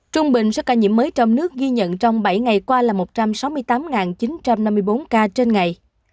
trung bình số ca nhiễm mới trong nước ghi nhận trong bảy ngày qua là một trăm sáu mươi tám chín trăm năm mươi bốn ca trên ngày